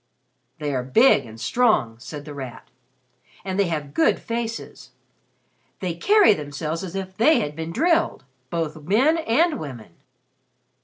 '" "They are big and strong," said The Rat. "And they have good faces. They carry themselves as if they had been drilled both men and women."